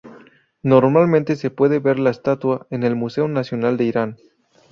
Normalmente se puede ver la estatua en el Museo Nacional de Irán.